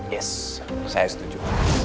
yes saya setuju